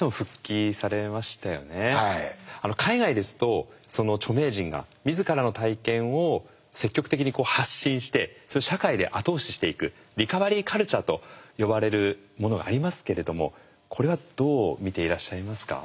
海外ですとその著名人が自らの体験を積極的に発信してそれを社会で後押ししていく「リカバリーカルチャー」と呼ばれるものがありますけれどもこれはどう見ていらっしゃいますか。